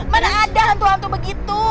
mana ada hantu hantu begitu